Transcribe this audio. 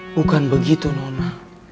bukan begitu nona